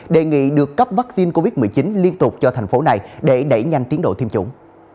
đề nghị được cấp vaccine covid một mươi chín liên tục cho thành phố này để đẩy nhanh tiến độ tiêm chủng